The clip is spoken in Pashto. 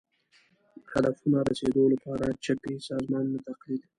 هدفونو رسېدو لپاره چپي سازمانونو تقلید